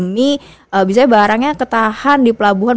misalnya barangnya ketahan di pelabuhan